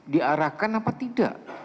diarahkan apa tidak